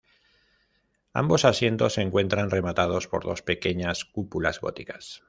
Ambos asientos se encuentran rematados por dos pequeñas cúpulas góticas.